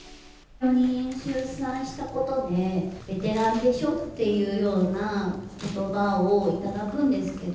４人出産したことで、ベテランでしょ？っていうようなことばを頂くんですけど。